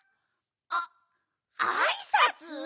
ああいさつ？